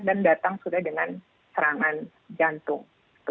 dan datang sudah dengan serangan jantung